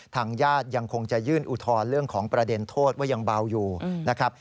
ทางญาติยังคงจะยื่นอุทธรณ์เรื่องของประเด็นโทษว่ายังเบาอยู่นะครับ